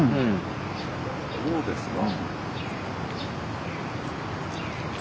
そうなんですか。